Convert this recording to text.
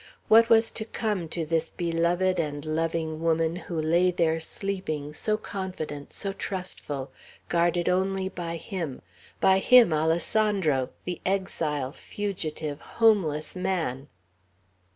What was to come to this beloved and loving woman who lay there sleeping, so confident, so trustful, guarded only by him, by him, Alessandro, the exile, fugitive, homeless man?